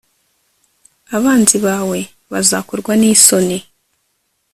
abanzi bawe bazakorwa n'isoni